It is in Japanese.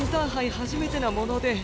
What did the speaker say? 初めてなもので。